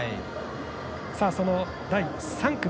その第３組。